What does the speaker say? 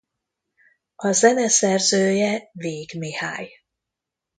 A zeneszerzője Víg Mihály.